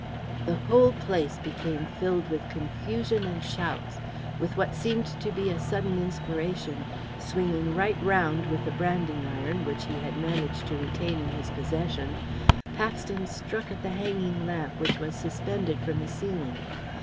The whole place became filled with confusion and shouts. With what seemed to be a sudden inspiration, swinging right round, with the branding iron, which he had managed to retain in his possession, Paxton struck at the hanging lamp, which was suspended from the ceiling.